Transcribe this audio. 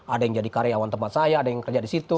ada yang jadi karyawan tempat saya ada yang kerja di situ